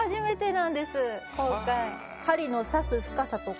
針の刺す深さとか。